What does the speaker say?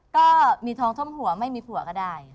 ก็มีทองท่มหัวไม่มีผัวก็ได้